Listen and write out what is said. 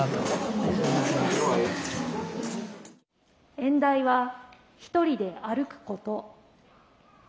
演題は「一人で歩くこと」。